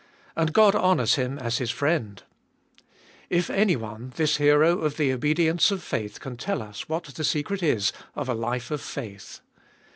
And God honours him as His friend ! If anyone, this hero of the obedience of faith can tell us what the secret is of a life of faith.